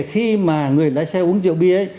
khi mà người lái xe uống rượu bia